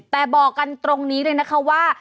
แต่บอกกันตรงนี้เลยนะคะว่า